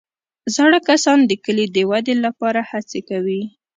زاړه کسان د کلي د ودې لپاره هڅې کوي